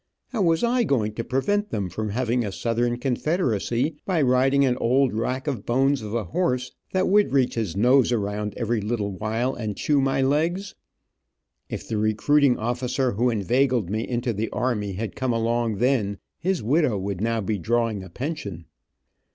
How was I going to prevent them from having a southern confederacy, by riding an old rack of bones of a horse, that would reach his nose around every little while and chew my legs? If the recruiting officer who inveigled me into the army had come along then, his widow would now be drawing a pension.